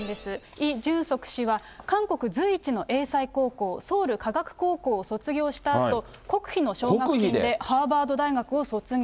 イ・ジュンソク氏は韓国随一の英才高校、ソウル科学高校を卒業したあと、国費の奨学金でハーバード大学を卒業。